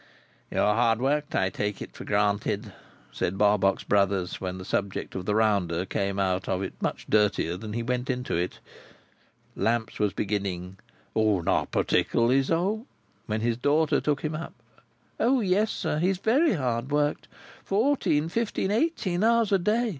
"You are hard worked, I take for granted?" said Barbox Brothers, when the subject of the rounder came out of it much dirtier than he went into it. Lamps was beginning, "Not particular so"—when his daughter took him up. "O yes, sir, he is very hard worked. Fourteen, fifteen, eighteen, hours a day.